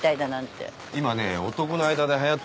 今ね男の間ではやってるんだよ。